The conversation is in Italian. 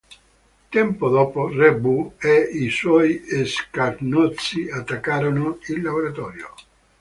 Tempo dopo, Re Boo e i suoi scagnozzi attaccarono il laboratorio.